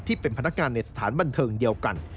ที่เป็นพนักงานในสถานบันเทิงเดียวกัน